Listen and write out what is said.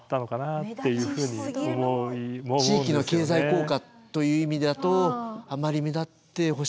地域の経済効果という意味だとあまり目立ってほしくはないっていう。